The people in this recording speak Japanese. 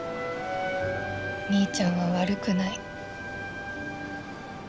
みーちゃんは悪くない。